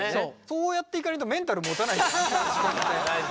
そうやっていかないとメンタルもたないんだよね。